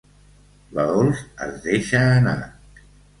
La Dols es deixa anar.